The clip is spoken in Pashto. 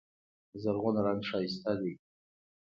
زرغون رنګ ښایسته دی.